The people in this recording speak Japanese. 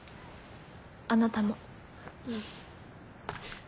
あなたも。